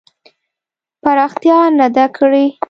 پراختیا نه ده کړې.